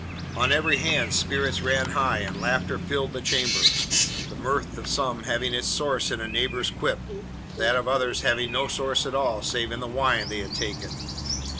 On every hand spirits ran high and laughter filled the chamber, the mirth of some having its source in a neighbour's quip, that of others having no source at all save in the wine they had taken.